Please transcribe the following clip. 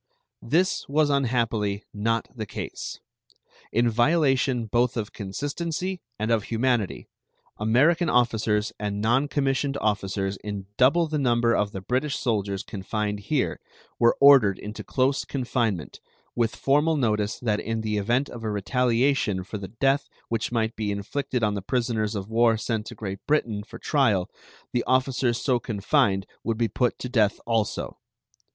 This was unhappily not the case. In violation both of consistency and of humanity, American officers and non commissioned officers in double the number of the British soldiers confined here were ordered into close confinement, with formal notice that in the event of a retaliation for the death which might be inflicted on the prisoners of war sent to Great Britain for trial the officers so confined would be put to death also.